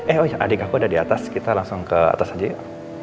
eh adik aku ada di atas kita langsung ke atas aja ya